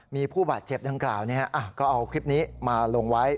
มีผู้บาดเจ็บดังกล่าวก็เอาคลิปนี้มาลงไว้